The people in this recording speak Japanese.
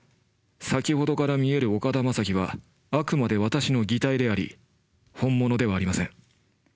先ほどから見える岡田将生はあくまで私の擬態であり本物ではありません。